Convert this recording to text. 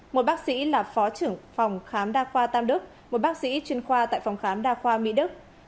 một bác sĩ là phó trưởng phòng khám đa khoa tam đức một bác sĩ chuyên khoa tại phòng khám đa khoa mỹ đức